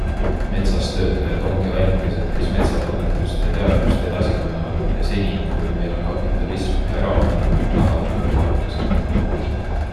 Metsas töötajad ongi ainukesed, kes metsatunnetust ja -teadmust edasi kannavad ja seni, kuni meil on kapitalism ja eraomand, tahavad nad ka palka saada.